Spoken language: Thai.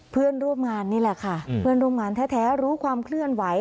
เพื่อนร่วมงานนี่แหละค่ะเพื่อนร่วมงานแท้รู้ความเคลื่อนไหว